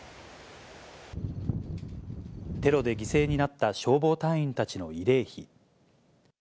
テロで犠牲になった消防隊員たちの慰霊碑。